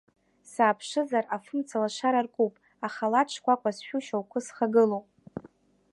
Сааԥшызар, афымцалашара аркуп, ахалаҭ шкәакәа зшәу шьоукы схагылоуп.